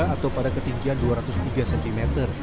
atau pada ketinggian dua ratus tiga cm